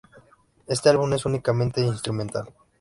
Éste álbum es únicamente instrumental.